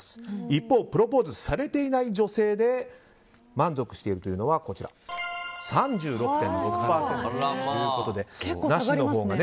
一方、プロポーズされていない女性で満足しているというのは３６．６％ということでなしのほうが。